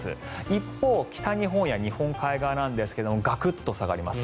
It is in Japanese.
一方北日本や日本海側なんですがガクッと下がります。